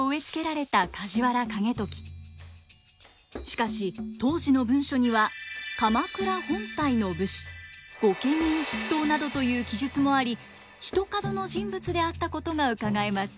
しかし当時の文書には「鎌倉本体の武士」「御家人筆頭」などという記述もありひとかどの人物であったことがうかがえます。